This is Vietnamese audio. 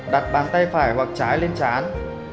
đặt bàn tay phải hoặc trái lên trán